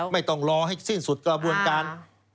ไม่ต้องรอให้สิ้นสุดกระบวนการ